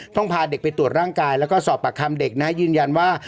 พาเด็กไปตรวจร่างกายแล้วก็สอบปากคำเด็กนะยืนยันว่า